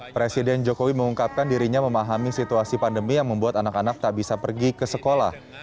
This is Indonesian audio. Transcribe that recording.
presiden jokowi mengungkapkan dirinya memahami situasi pandemi yang membuat anak anak tak bisa pergi ke sekolah